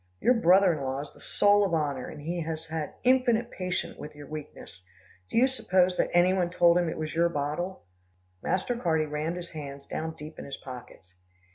Your brother in law is the soul of honour, and he has had infinite patience with your weakness. Do you suppose any one told him it was your bottle?" Master Carty rammed his hands down deep in his pockets.